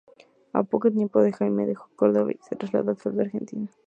Al poco tiempo Jaime dejó Córdoba y se trasladó al sur de Argentina.